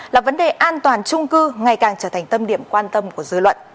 là vấn đề an toàn trung cư ngày càng trở thành tâm điểm quan tâm của dư luận